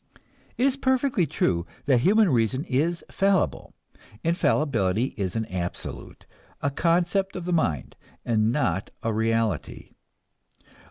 It is perfectly true that human reason is fallible. Infallibility is an absolute, a concept of the mind, and not a reality.